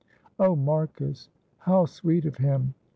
"Oh, Marcus, how sweet of him!"